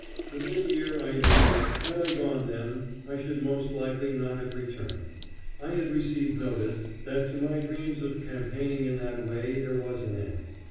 Within a year I knew that, had I gone then, I should most likely not have returned. I had received notice that to my dreams of campaigning in that way there was an end.